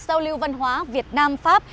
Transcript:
giao lưu văn hóa việt nam pháp